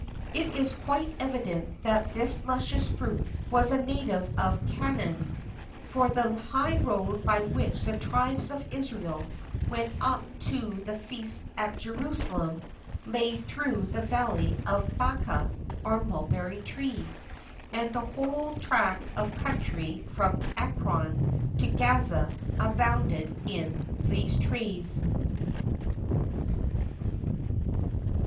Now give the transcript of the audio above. It is quite evident that this luscious fruit was a native of Canaan, for the high road by which the tribes of Israel went up to the feasts at Jerusalem lay through the valley of Baka, or Mulberry Tree;[XIII 75] and the whole tract of country from Ekron to Gaza abounded in these trees.